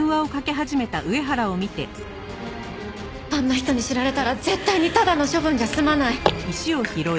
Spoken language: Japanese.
あんな人に知られたら絶対にただの処分じゃ済まない。